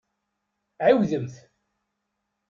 Ɛiwdemt!